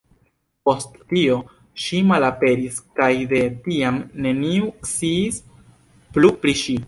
Post tio, ŝi malaperis kaj de tiam neniu sciis plu pri ŝi.